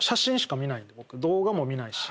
動画も見ないし。